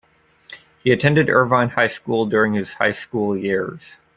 He attended Irvine High School during his high school years.